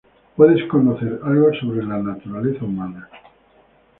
Puedes conocer algo sobre la naturaleza humana".